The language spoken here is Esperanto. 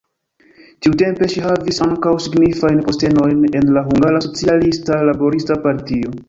Tiutempe ŝi havis ankaŭ signifajn postenojn en la Hungara Socialista Laborista Partio.